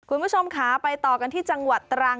คุณผู้ชมค่ะไปต่อกันที่จังหวัดตรัง